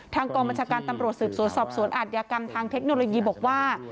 กองบัญชาการตำรวจสืบสวนสอบสวนอาทยากรรมทางเทคโนโลยีบอกว่า